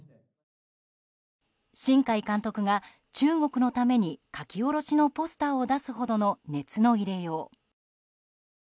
新海監督が、中国のために描き下ろしのポスターを出すほどの熱の入れよう。